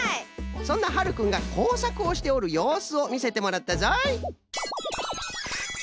そんなはるくんがこうさくをしておるようすをみせてもらったぞい。